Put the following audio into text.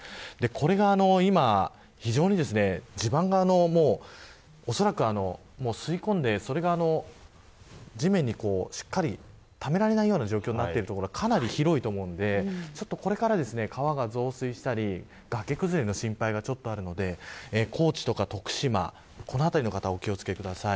これが非常に地盤がおそらく水を吸い込んで地面に水をためられないような状況になっている所がかなり広いので川が増水したり崖崩れの心配がこれからあるので高知とか徳島、この辺りの方はお気を付けください。